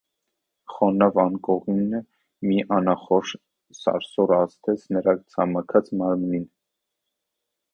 Խոնավ անկողինը մի անախորժ սարսուռ ազդեց նրա ցամաքած մարմնին.